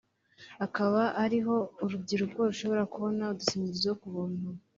akaba ari ho urubyiruko rushobora kubona udukingirizo ku buntu